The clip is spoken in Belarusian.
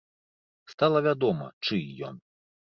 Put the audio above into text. Стала вядома, чый ён.